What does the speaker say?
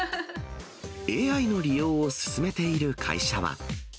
ＡＩの利用をすすめている会社は。